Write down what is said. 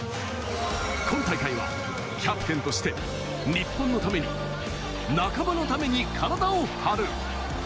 今大会はキャプテンとして、日本のために仲間のために体を張る。